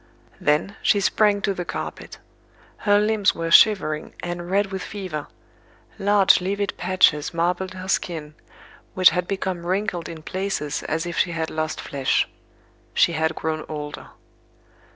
Then, she sprang to the carpet. Her limbs were shivering, and red with fever; large livid patches marbled her skin, which had become wrinkled in places as if she had lost flesh. She had grown older.